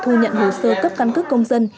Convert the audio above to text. thu nhận hồ sơ cấp căn cứ công dân